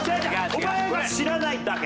お前は知らないだけ。